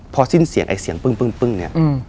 พอสิ้นเสียงไอ้เสียงปึ้งเนี่ย